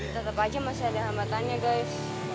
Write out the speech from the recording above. tetap aja masih ada hambatannya guys